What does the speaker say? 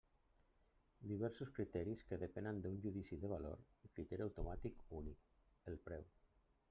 Diversos criteris que depenen d'un judici de valor i criteri automàtic únic: el preu.